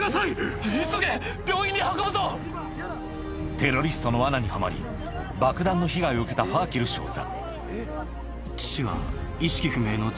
テロリストのわなにはまり爆弾の被害を受けたファーケル少佐